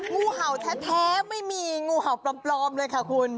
งูเห่าแท้ไม่มีงูเห่าปลอมเลยค่ะคุณ